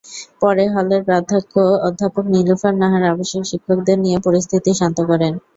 পরে হলের প্রাধ্যক্ষ অধ্যাপক নীলুফার নাহার আবাসিক শিক্ষকদের নিয়ে পরিস্থিতি শান্ত করেন।